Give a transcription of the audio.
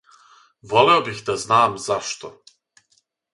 Волео бих да знам зашто.